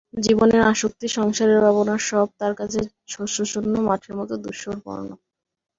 জীবনের আসক্তি, সংসারের ভাবনা সব তার কাছে শস্যশূন্য মাঠের মতো ধূসরবর্ণ।